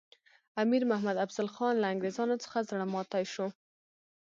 امیر محمد افضل خان له انګریزانو څخه زړه ماتي شو.